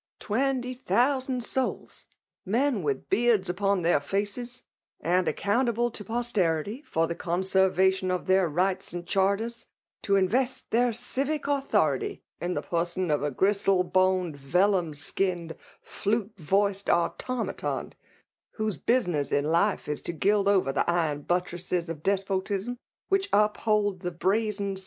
'— Twenty thousand souls !— men with beards upon their faces, and accountable to posterity for the conservation of their rights and char ters, to invest their civic authority in the per son of a gristle boned, vellum skinned, flutes voiced automaton; whose business in life is to gild over the iron, buttresses of despotism, which iqphold the brazen.